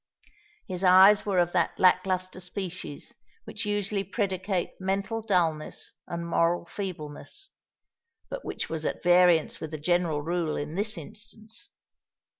His eyes were of that lack lustre species which usually predicate mental dullness and moral feebleness, but which was at variance with the general rule in this instance.